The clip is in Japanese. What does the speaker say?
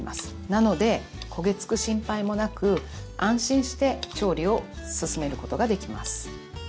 なのでこげつく心配もなく安心して調理を進めることができます。